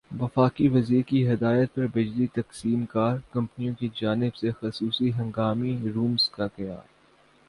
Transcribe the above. وفاقی وزیر کی ہدایت پر بجلی تقسیم کار کمپنیوں کی جانب سےخصوصی ہنگامی رومز کا قیام